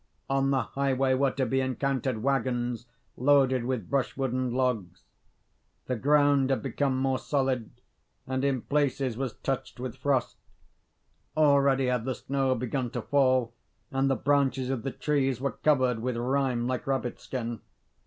On the highway were to be encountered waggons loaded with brushwood and logs. The ground had become more solid, and in places was touched with frost. Already had the snow begun to fall and the branches of the trees were covered with rime like rabbit skin.